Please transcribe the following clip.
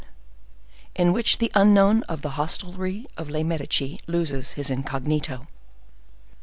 In which the Unknown of the Hostelry of Les Medici loses his Incognito.